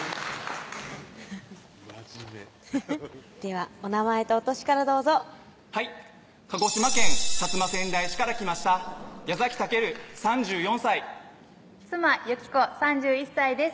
真面目ではお名前とお歳からどうぞはい鹿児島県薩摩川内市から来ました矢崎武３４歳妻・由紀子３１歳です